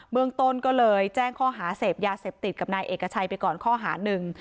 เมืองต้นก็เลยแจ้งข้อหาเสพยาเสพติดกับนายเอกชัยไปก่อนข้อหาหนึ่ง